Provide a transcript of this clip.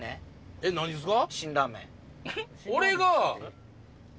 えっ何ですか？